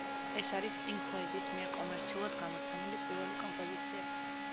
ეს არის პინკ ფლოიდის მიერ კომერციულად გამოცემული პირველი კომპოზიციები.